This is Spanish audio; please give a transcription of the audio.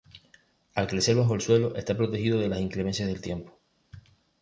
Al crecer bajo el suelo está protegido de las inclemencias del tiempo.